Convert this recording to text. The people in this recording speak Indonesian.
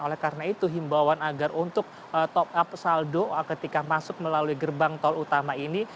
oleh karena itu himbawan agar untuk top up saldo ketika masuk melalui gerbang tol utama ini